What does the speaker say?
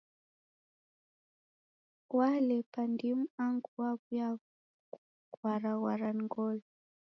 Walepa ndimu angu waw'uya gharwa gharwa ni ngolo.